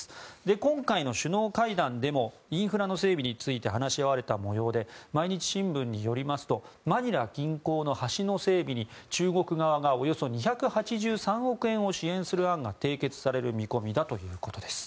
今回の首脳会談でもインフラの整備について話し合われた模様で毎日新聞によりますとマニラ近郊の橋の整備に中国側がおよそ２８３億円を支援する案が締結される見込みだということです。